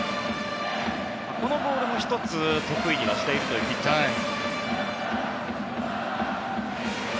このボールも１つ得意としているピッチャーです。